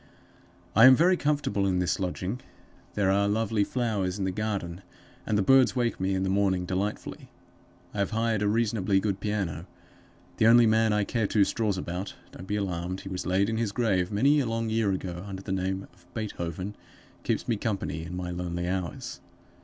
"I am very comfortable in this lodging. There are lovely flowers in the garden, and the birds wake me in the morning delightfully. I have hired a reasonably good piano. The only man I care two straws about don't be alarmed; he was laid in his grave many a long year ago, under the name of BEETHOVEN keeps me company, in my lonely hours.